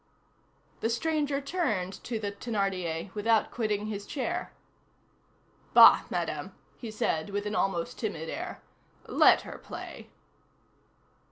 The stranger turned to the Thénardier, without quitting his chair. "Bah, Madame," he said, with an almost timid air, "let her play!"